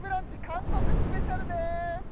韓国スペシャルです！